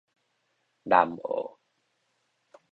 南澳